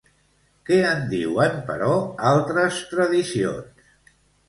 Què en diuen, però, altres tradicions?